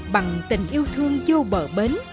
bằng tình yêu thương vô bờ bến